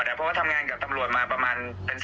แล้วใส่หลักฐานสามโม